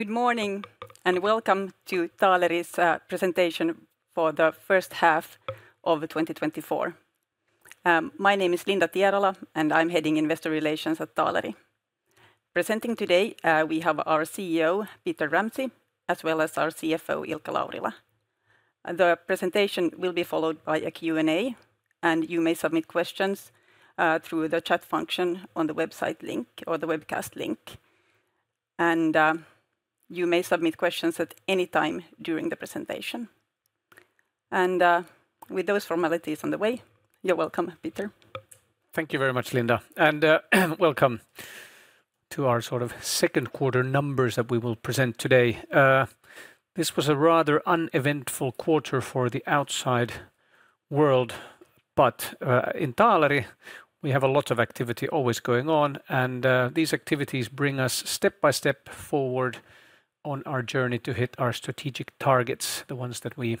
Good morning, and welcome to Taaleri's presentation for the first half of 2024. My name is Linda Tierala, and I'm heading Investor Relations at Taaleri. Presenting today, we have our CEO, Peter Ramsay, as well as our CFO, Ilkka Laurila. The presentation will be followed by a Q&A, and you may submit questions through the chat function on the website link or the webcast link. You may submit questions at any time during the presentation. With those formalities on the way, you're welcome, Peter. Thank you very much, Linda, and welcome to our sort of second quarter numbers that we will present today. This was a rather uneventful quarter for the outside world, but in Taaleri we have a lot of activity always going on, and these activities bring us step-by-step forward on our journey to hit our strategic targets, the ones that we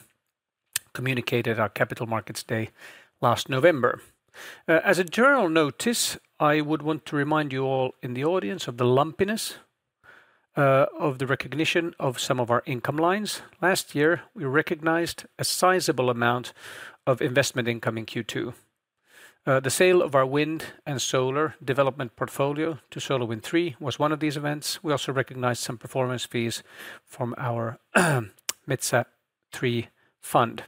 communicated our Capital Markets Day last November. As a general notice, I would want to remind you all in the audience of the lumpiness of the recognition of some of our income lines. Last year, we recognized a sizable amount of investment income in Q2. The sale of our wind and solar development portfolio to SolarWind III was one of these events. We also recognized some performance fees from our Metsä III fund.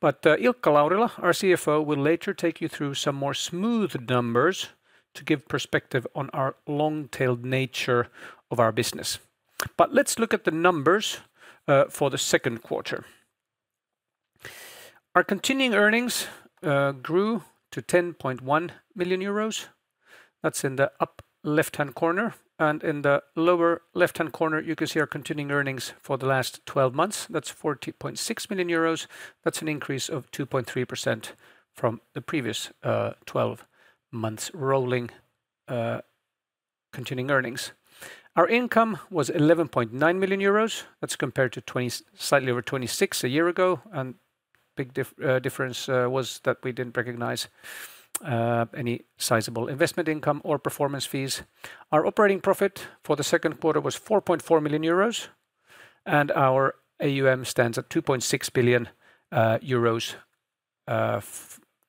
But Ilkka Laurila, our CFO, will later take you through some more smooth numbers to give perspective on our long-tailed nature of our business. But let's look at the numbers for the second quarter. Our continuing earnings grew to 10.1 million euros. That's in the up left-hand corner, and in the lower left-hand corner, you can see our continuing earnings for the last 12 months. That's 40.6 million euros. That's an increase of 2.3% from the previous 12 months rolling continuing earnings. Our income was 11.9 million euros. That's compared to 20.. slightly over 26 a year ago, and big difference was that we didn't recognize any sizable investment income or performance fees. Our operating profit for the second quarter was 4.4 million euros, and our AUM stands at 2.6 billion euros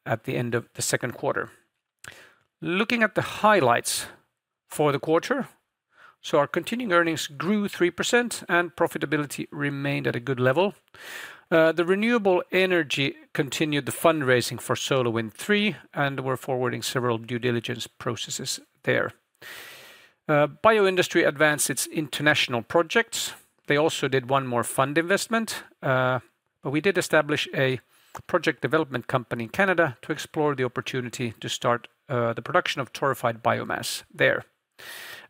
at the end of the second quarter. Looking at the highlights for the quarter, so our continuing earnings grew 3%, and profitability remained at a good level. The Renewable Energy continued the fundraising for SolarWind III, and we're forwarding several due diligence processes there. Bioindustry advanced its international projects. They also did one more fund investment, but we did establish a project development company in Canada to explore the opportunity to start the production of torrefied biomass there,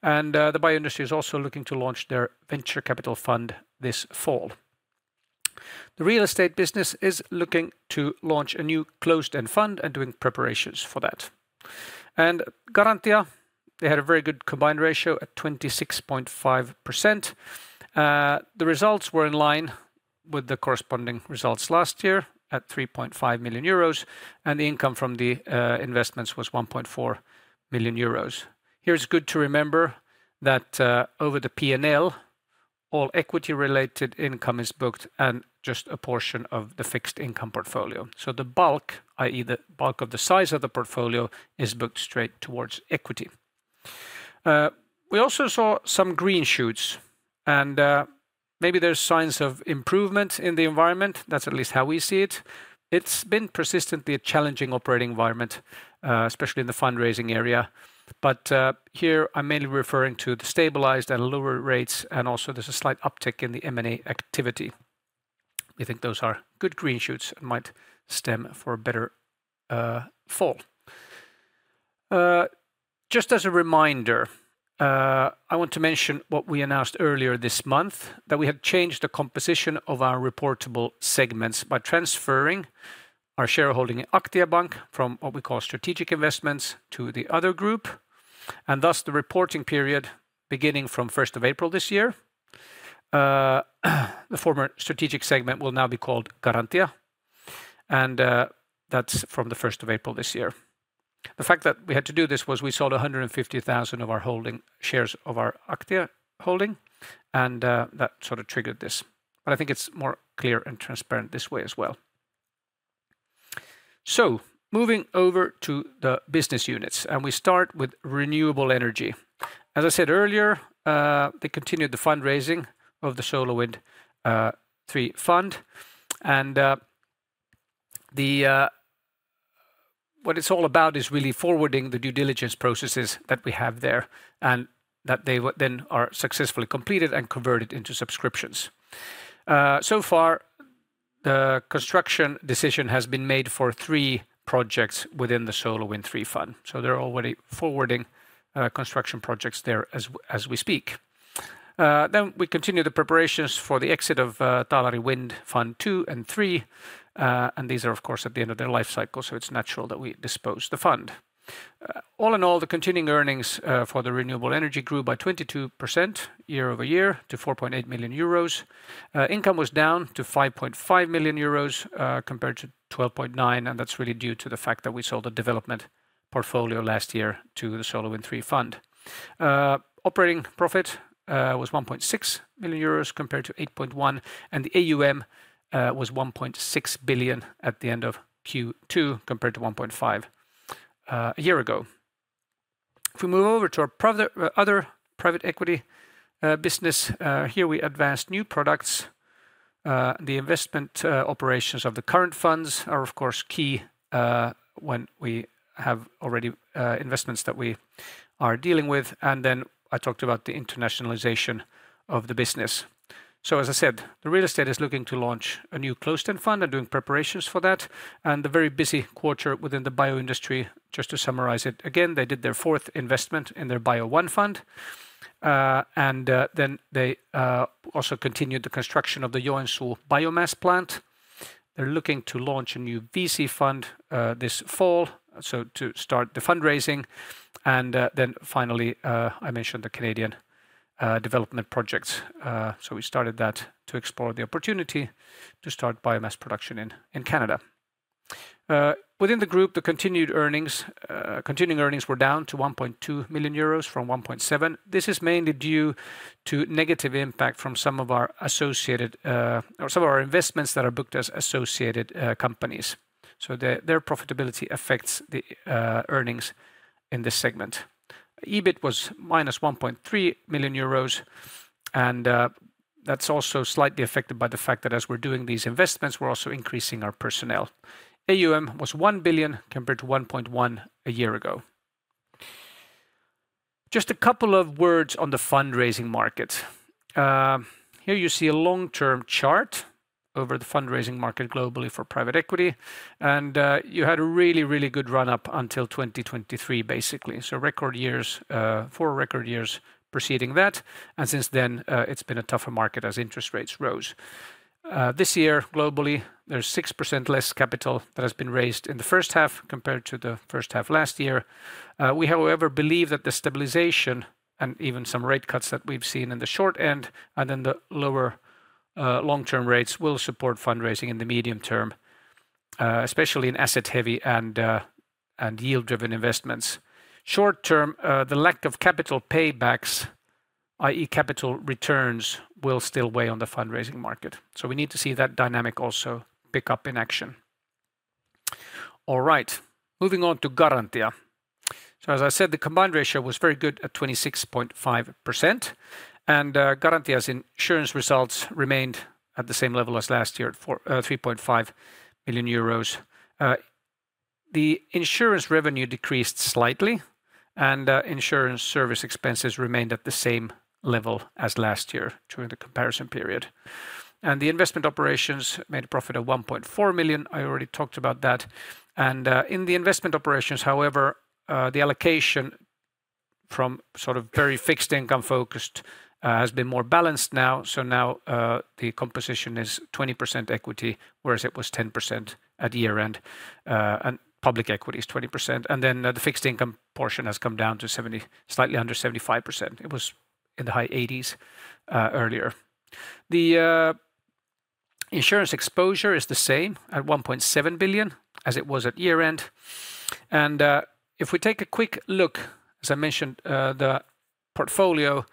and the bioindustry is also looking to launch their venture capital fund this fall. The Real Estate business is looking to launch a new closed-end fund and doing preparations for that. Garantia, they had a very good combined ratio at 26.5%. The results were in line with the corresponding results last year, at 3.5 million euros, and the income from the investments was 1.4 million euros. It's good to remember that over the PNL, all equity-related income is booked and just a portion of the fixed income portfolio. So the bulk, i.e., of the size of the portfolio, is booked straight towards equity. We also saw some green shoots, and maybe there's signs of improvement in the environment. That's at least how we see it. It's been persistently a challenging operating environment, especially in the fundraising area, but here I'm mainly referring to the stabilized and lower rates, and also there's a slight uptick in the M&A activity. We think those are good green shoots and might stem for a better fall. Just as a reminder, I want to mention what we announced earlier this month, that we had changed the composition of our reportable segments by transferring our shareholding in Aktia Bank from what we call strategic investments to the other group, and thus the reporting period beginning from first of April this year, the former strategic segment will now be called Garantia, and that's from the first of April this year. The fact that we had to do this was we sold 150,000 of our holding shares of our Aktia holding, and that sort of triggered this. But I think it's more clear and transparent this way as well. So moving over to the business units, and we start with renewable energy. As I said earlier, they continued the fundraising of the SolarWind III fund, and the. What it's all about is really forwarding the due diligence processes that we have there, and that they then are successfully completed and converted into subscriptions. So far, the construction decision has been made for three projects within the SolarWind III fund, so they're already forwarding construction projects there as we speak. Then we continue the preparations for the exit of Taaleri Wind Fund II and III, and these are, of course, at the end of their life cycle, so it's natural that we dispose the fund. All in all, the continuing earnings for the renewable energy grew by 22% year-over-year to 4.8 million euros. Income was down to 5.5 million euros, compared to 12.9 million, and that's really due to the fact that we sold a development portfolio last year to the SolarWind III fund. Operating profit was 1.6 million euros compared to 8.1 million, and the AUM was 1.6 billion at the end of Q2, compared to 1.5 billion a year ago. If we move over to our other private equity business, here we advanced new products. The investment operations of the current funds are, of course, key when we have already investments that we are dealing with, and then I talked about the internationalization of the business. So as I said, the real estate is looking to launch a new closed-end fund. They're doing preparations for that, and a very busy quarter within the bio industry. Just to summarize it, again, they did their fourth investment in their BioOne fund, and, then they also continued the construction of the Joensuu biomass plant. They're looking to launch a new VC fund, this fall, so to start the fundraising, and, then finally, I mentioned the Canadian development projects. So we started that to explore the opportunity to start biomass production in Canada. Within the group, the continuing earnings were down to 1.2 million euros from 1.7 million. This is mainly due to negative impact from some of our associated, or some of our investments that are booked as associated, companies, so their profitability affects the earnings in this segment. EBIT was minus 1.3 million euros, and that's also slightly affected by the fact that as we're doing these investments, we're also increasing our personnel. AUM was 1 billion, compared to 1.1 a year ago. Just a couple of words on the fundraising market. Here you see a long-term chart over the fundraising market globally for private equity, and you had a really, really good run-up until 2023, basically. Record years, four record years preceding that, and since then, it's been a tougher market as interest rates rose. This year, globally, there's 6% less capital that has been raised in the first half compared to the first half last year. We, however, believe that the stabilization and even some rate cuts that we've seen in the short end, and then the lower long-term rates will support fundraising in the medium term, especially in asset-heavy and yield-driven investments. Short term, the lack of capital paybacks, i.e., capital returns, will still weigh on the fundraising market, so we need to see that dynamic also pick up in action. All right, moving on to Garantia. So as I said, the combined ratio was very good at 26.5%, and Garantia's insurance results remained at the same level as last year at three point five million euros. The insurance revenue decreased slightly, and insurance service expenses remained at the same level as last year during the comparison period. The investment operations made a profit of one point four million. I already talked about that, and in the investment operations, however, the allocation from sort of very fixed-income focused has been more balanced now, so now the composition is 20% equity, whereas it was 10% at year-end, and public equity is 20%, and then the fixed income portion has come down to seventy... slightly under 75%. It was in the high 80s% earlier. The insurance exposure is the same, at 1.7 billion, as it was at year-end, and if we take a quick look, as I mentioned, the portfolio.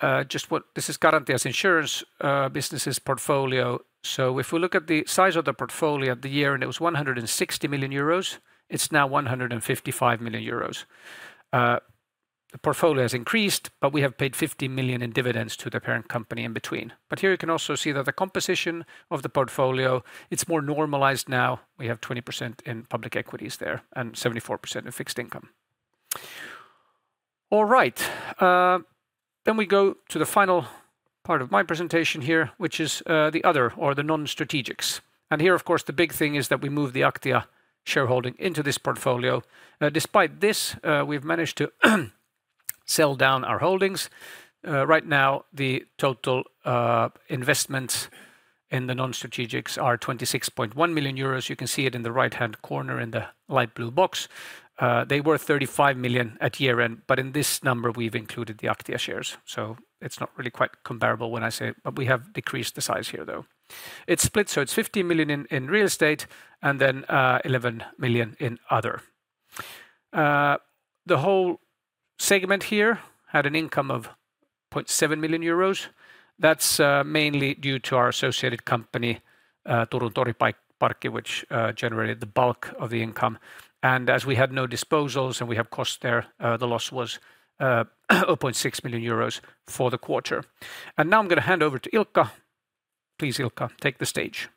This is Garantia's insurance businesses portfolio. So if we look at the size of the portfolio at the year-end, it was 160 million euros. It's now 155 million euros. The portfolio has increased, but we have paid 50 million in dividends to the parent company in between, but here you can also see that the composition of the portfolio, it's more normalized now. We have 20% in public equities there and 74% in fixed income. All right, then we go to the final part of my presentation here, which is the other or the non-strategics, and here, of course, the big thing is that we moved the Aktia shareholding into this portfolio. Despite this, we've managed to sell down our holdings. Right now, the total investments in the non-strategics are 26.1 million euros. You can see it in the right-hand corner in the light blue box. They were 35 million at year-end, but in this number, we've included the Aktia shares, so it's not really quite comparable when I say... But we have decreased the size here, though. It's split, so it's 50 million in real estate and then 11 million in other. The whole segment here had an income of 0.7 million euros. That's mainly due to our associated company Turun Toriparkki, which generated the bulk of the income, and as we had no disposals, and we have costs there, the loss was 0.6 million euros for the quarter. And now I'm going to hand over to Ilkka. Please, Ilkka, take the stage.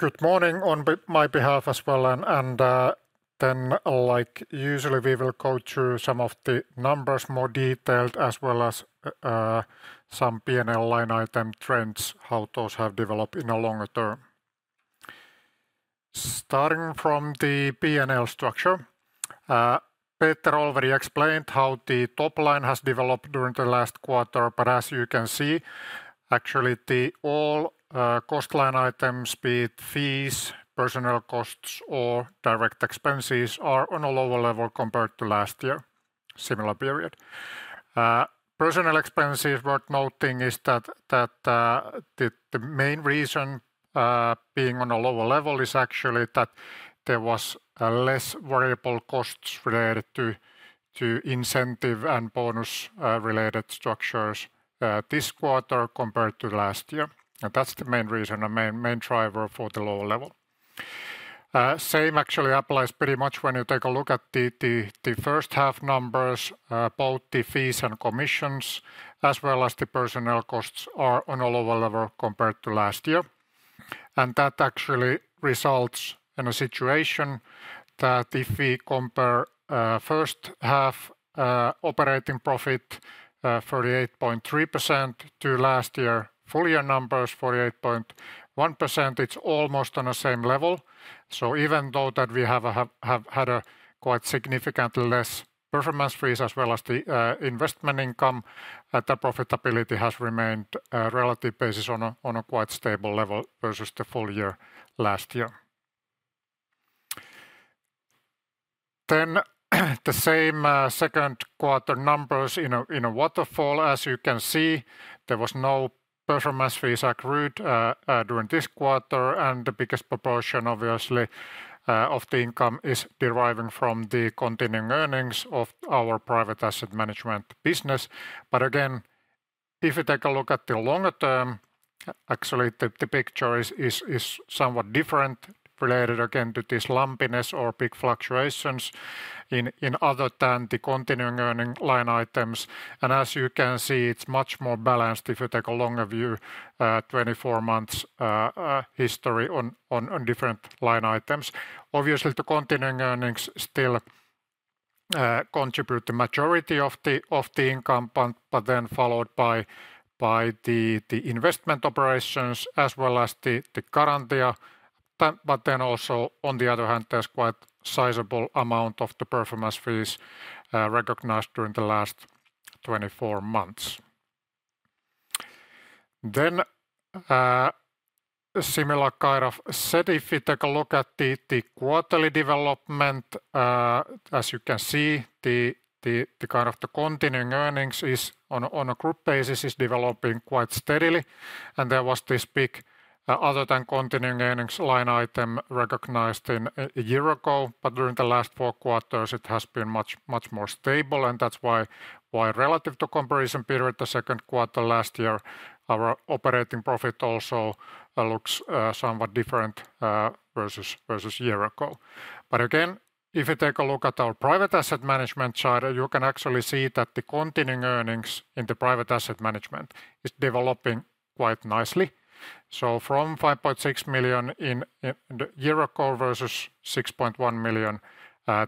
Good morning on my behalf as well, and then, like, usually, we will go through some of the numbers more detailed, as well as some P&L line item trends, how those have developed in the longer term. Starting from the P&L structure, Peter already explained how the top line has developed during the last quarter, but as you can see, actually, the overall cost line items, be it fees, personnel costs, or direct expenses, are on a lower level compared to last year, similar period. Personnel expenses worth noting is that the main reason being on a lower level is actually that there was less variable costs related to incentive and bonus related structures this quarter compared to last year. And that's the main reason, the main driver for the lower level. Same actually applies pretty much when you take a look at the first half numbers, both the fees and commissions, as well as the personnel costs are on a lower level compared to last year. That actually results in a situation that if we compare first half operating profit 48.3% to last year full year numbers 48.1%, it's almost on the same level. Even though that we have had a quite significantly less performance fees, as well as the investment income, the profitability has remained relative basis on a quite stable level versus the full year last year. The same second quarter numbers in a waterfall. As you can see, there was no performance fees accrued during this quarter, and the biggest proportion, obviously, of the income is deriving from the continuing earnings of our private asset management business. But again, if you take a look at the longer term, actually, the picture is somewhat different, related again to this lumpiness or big fluctuations in other than the continuing earning line items. And as you can see, it's much more balanced if you take a longer view, twenty-four months history on different line items. Obviously, the continuing earnings still contribute the majority of the income, but then followed by the investment operations as well as the Garantia. But then also, on the other hand, there's quite sizable amount of the performance fees recognized during the last twenty-four months. Then, a similar kind of set, if you take a look at the quarterly development, as you can see, the kind of the continuing earnings is on a group basis, is developing quite steadily. And there was this big, other than continuing earnings line item recognized in a year ago, but during the last four quarters, it has been much more stable, and that's why relative to comparison period, the second quarter last year, our operating profit also looks somewhat different versus year ago. But again, if you take a look at our private asset management side, you can actually see that the continuing earnings in the private asset management is developing quite nicely. So from 5.6 million in the year ago versus 6.1 million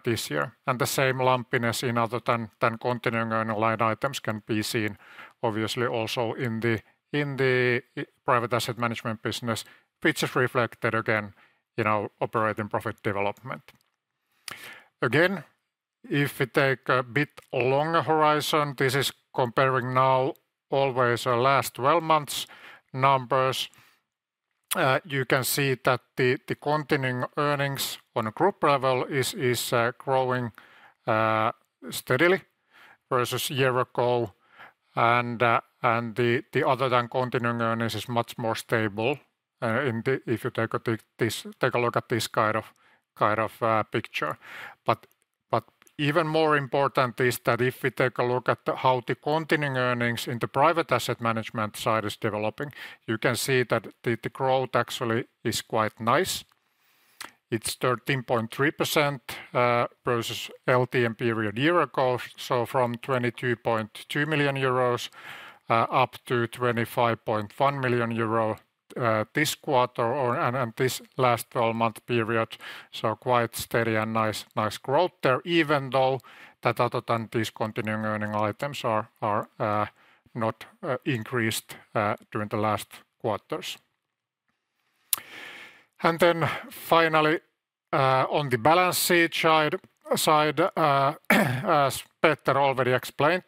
this year, and the same lumpiness in other than continuing earning line items can be seen, obviously, also in the private asset management business, which is reflected again in our operating profit development. Again, if we take a bit longer horizon, this is comparing now always our last 12 months numbers, you can see that the continuing earnings on a group level is growing steadily versus year ago. And the other than continuing earnings is much more stable in the... If you take a look at this kind of picture. But even more important is that if we take a look at how the continuing earnings in the private asset management side is developing, you can see that the growth actually is quite nice. It's 13.3%, versus LTM period year ago. So from 22.2 million euros up to 25.1 million euro this quarter or and this last twelve-month period, so quite steady and nice growth there, even though other than these continuing earnings items are not increased during the last quarters. And then finally, on the balance sheet side, as Peter already explained,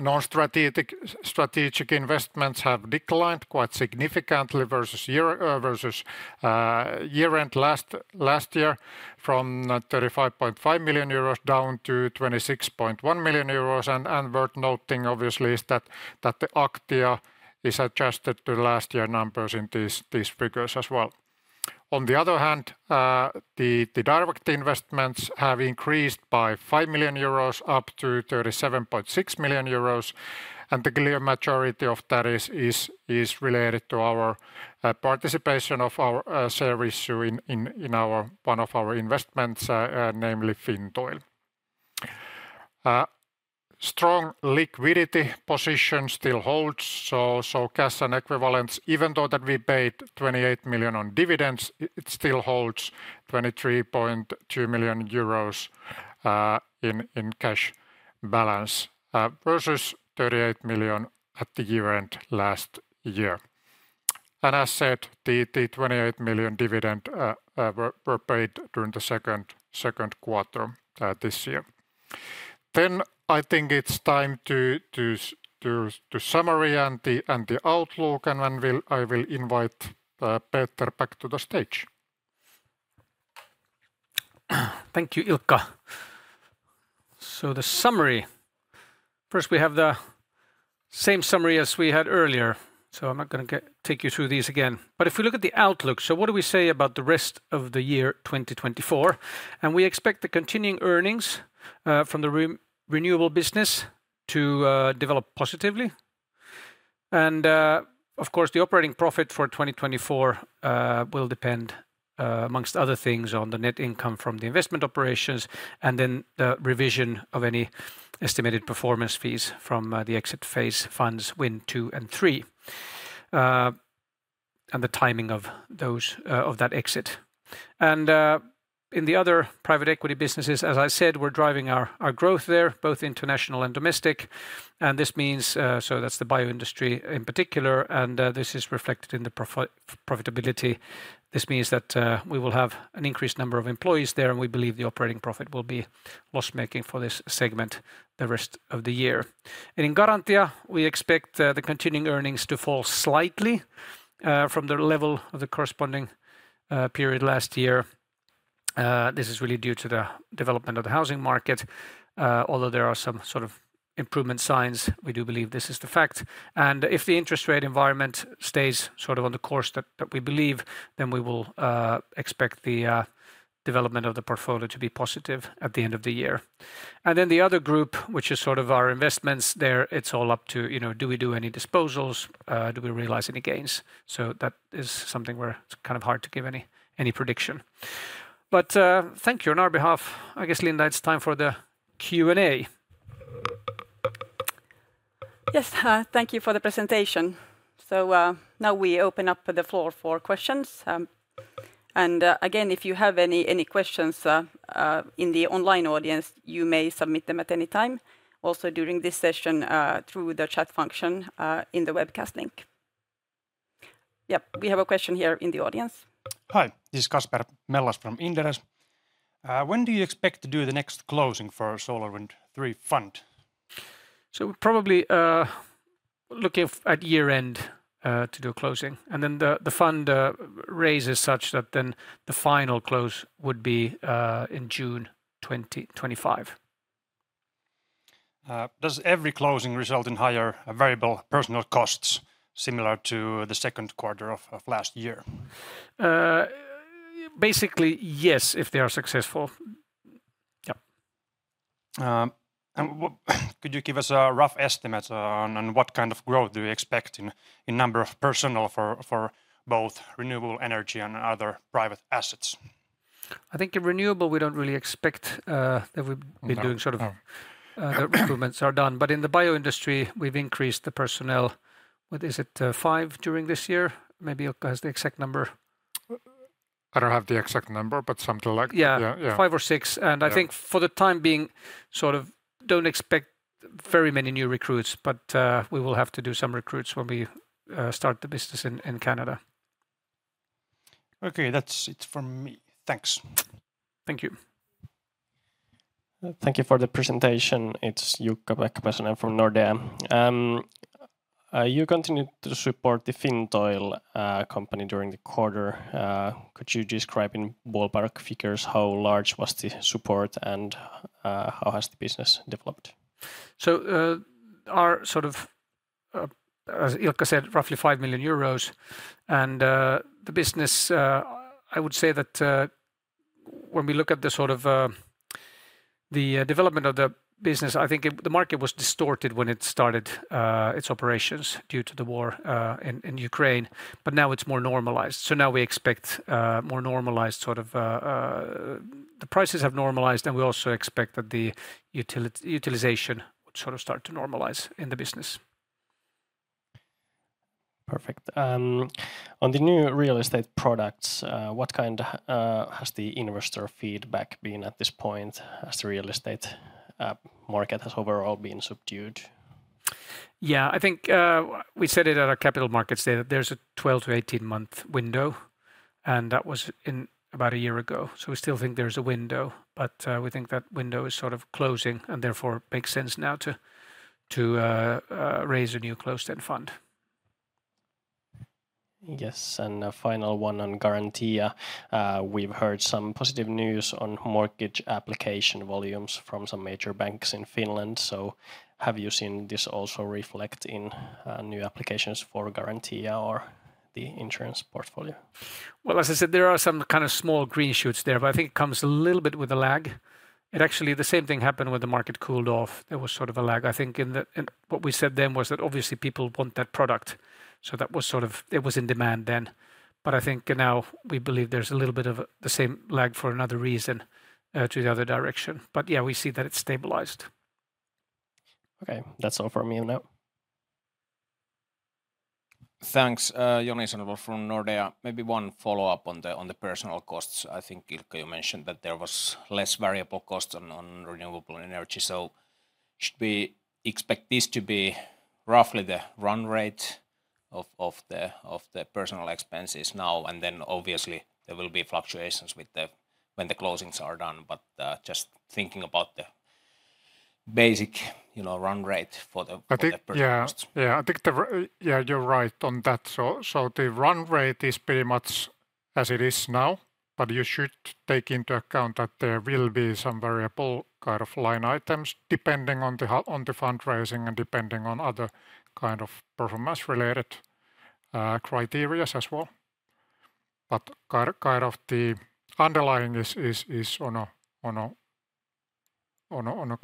non-strategic strategic investments have declined quite significantly versus year versus year-end last year, from 35.5 million euros down to 26.1 million euros. And worth noting, obviously, is that the Aktia is adjusted to last year numbers in these figures as well. On the other hand, the direct investments have increased by 5 million euros, up to 37.6 million euros, and the clear majority of that is related to our participation of our share issue in one of our investments, namely Fintoil. Strong liquidity position still holds, so cash and equivalents, even though that we paid 28 million on dividends, it still holds 23.2 million euros in cash balance, versus 38 million at the year-end last year. As said, the 28 million dividend were paid during the second quarter this year. I think it's time to summary and the outlook, and then we'll. I will invite Peter back to the stage.... Thank you, Ilkka. So the summary, first we have the same summary as we had earlier, so I'm not gonna take you through these again. But if we look at the outlook, so what do we say about the rest of the year 2024? And we expect the continuing earnings from the renewable business to develop positively. And, of course, the operating profit for 2024 will depend, among other things, on the net income from the investment operations, and then the revision of any estimated performance fees from the exit phase funds Wind II and III, and the timing of those, of that exit. And in the other private equity businesses, as I said, we're driving our growth there, both international and domestic, and this means... That's the bioindustry in particular, and this is reflected in the profitability. This means that we will have an increased number of employees there, and we believe the operating profit will be loss-making for this segment the rest of the year. In Garantia, we expect the continuing earnings to fall slightly from the level of the corresponding period last year. This is really due to the development of the housing market, although there are some sort of improvement signs, we do believe this is the fact. If the interest rate environment stays sort of on the course that we believe, then we will expect the development of the portfolio to be positive at the end of the year. And then the other group, which is sort of our investments there, it's all up to, you know, do we do any disposals? Do we realize any gains? So that is something where it's kind of hard to give any prediction. But, thank you on our behalf. I guess, Linda, it's time for the Q&A. Yes, thank you for the presentation. So, now we open up the floor for questions. And, again, if you have any, any questions, in the online audience, you may submit them at any time, also during this session, through the chat function, in the webcast link. Yep, we have a question here in the audience. Hi, this is Kasper Mellas from Inderes. When do you expect to do the next closing for our Solar Wind III fund? So probably, looking at year-end, to do a closing, and then the fund raise is such that then the final close would be in June 2025. Does every closing result in higher variable personal costs, similar to the second quarter of last year? Basically, yes, if they are successful. Yep. And what could you give us a rough estimate on what kind of growth do you expect in number of personnel for both renewable energy and other private assets? I think in renewable we don't really expect that we'd be doing sort of- The improvements are done, but in the bio industry, we've increased the personnel, what is it, five during this year. Maybe Ilkka has the exact number. I don't have the exact number, but something like that. Yeah. Yeah, yeah. Five or six-... and I think for the time being, sort of don't expect very many new recruits, but we will have to do some recruits when we start the business in Canada. Okay, that's it from me. Thanks. Thank you. Thank you for the presentation. It's Jukka-Pekka Pesola from Nordea. You continued to support the Fintoil company during the quarter. Could you describe in ballpark figures how large was the support, and how has the business developed? So, our sort of, as Ilkka said, roughly 5 million euros, and, the business. I would say that, when we look at the sort of, the, development of the business, I think it, the market was distorted when it started, its operations due to the war, in Ukraine, but now it's more normalized. So now we expect, more normalized sort of, the prices have normalized, and we also expect that the utilization would sort of start to normalize in the business. Perfect. On the new real estate products, what kind has the investor feedback been at this point, as the real estate market has overall been subdued? Yeah, I think, we said it at our Capital Markets Day, that there's a twelve to eighteen-month window, and that was in about a year ago. So we still think there's a window, but, we think that window is sort of closing, and therefore makes sense now to raise a new closed-end fund. Yes, and a final one on Garantia. We've heard some positive news on mortgage application volumes from some major banks in Finland, so have you seen this also reflect in new applications for Garantia or the insurance portfolio? As I said, there are some kind of small green shoots there, but I think it comes a little bit with a lag. It actually, the same thing happened when the market cooled off. There was sort of a lag. I think in the... and what we said then was that obviously people want that product, so that was sort of, it was in demand then, but I think now we believe there's a little bit of the same lag for another reason, to the other direction, but yeah, we see that it's stabilized. Okay, that's all from me now. Thanks. Joni Sandvall from Nordea. Maybe one follow-up on the personnel costs. I think, Ilkka, you mentioned that there was less variable costs on renewable energy, so should we expect this to be roughly the run rate of the personal expenses now, and then obviously there will be fluctuations with the when the closings are done, but just thinking about the basic, you know, run rate for the- the personnel costs? Yeah, yeah, I think, yeah, you're right on that. So the run rate is pretty much as it is now, but you should take into account that there will be some variable kind of line items, depending on the fundraising and depending on other kind of performance-related criteria as well. But kind of the underlying is on a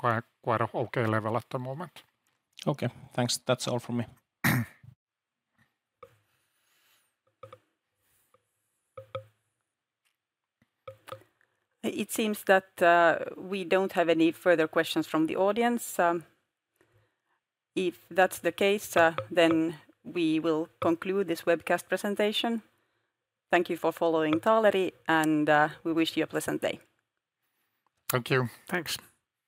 quite okay level at the moment. Okay, thanks. That's all from me. It seems that we don't have any further questions from the audience. If that's the case, then we will conclude this webcast presentation. Thank you for following Taaleri, and we wish you a pleasant day. Thank you. Thanks.